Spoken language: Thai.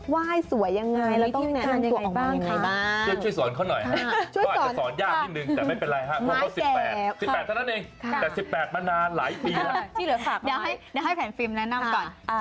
ว่ายสวยยังไงเราต้องแนะนำตัวออกมายังไงบ้าง